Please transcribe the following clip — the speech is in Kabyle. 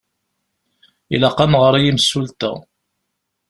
Ilaq ad nɣeṛ i yimsulta.